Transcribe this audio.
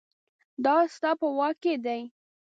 دا ستا په واک کې دي